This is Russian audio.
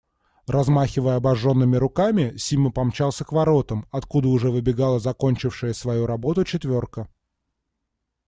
Размахивая обожженными руками, Сима помчался к воротам, откуда уже выбегала закончившая свою работу четверка.